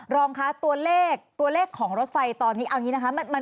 รองค่ะตัวเลขของรถไฟตอนนี้